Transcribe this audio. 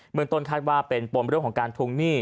เมืองต้นคาดบาลเป็นโปร่งบริเวณของการทวงหนี้